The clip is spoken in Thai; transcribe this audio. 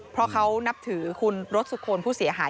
พอเค้านับถือคุณรสสุคคลผู้เสียหาย